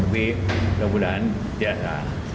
tapi semoga tidak ada